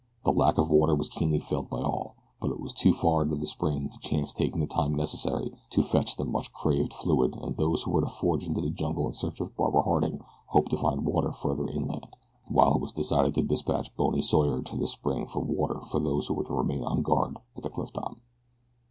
The lack of water was keenly felt by all, but it was too far to the spring to chance taking the time necessary to fetch the much craved fluid and those who were to forge into the jungle in search of Barbara Harding hoped to find water farther inland, while it was decided to dispatch Bony Sawyer to the spring for water for those who were to remain on guard at the cliff top.